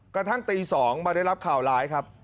กระทั่งตี๒มาได้รับข่าวร้ายครับ